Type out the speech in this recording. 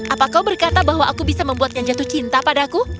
apa kau berkata bahwa aku bisa membuatnya jatuh cinta padaku